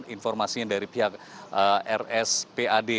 informasinya dari pihak rs pad